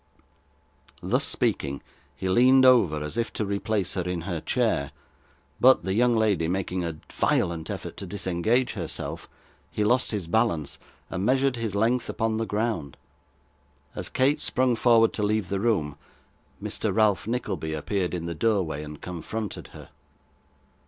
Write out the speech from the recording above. Thus speaking, he leaned over, as if to replace her in her chair; but the young lady, making a violent effort to disengage herself, he lost his balance, and measured his length upon the ground. As Kate sprung forward to leave the room, Mr Ralph Nickleby appeared in the doorway, and confronted her.